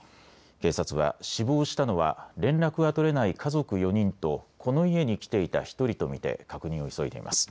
警察は死亡したのは連絡が取れない家族４人とこの家に来ていた１人と見て確認を急いでいます。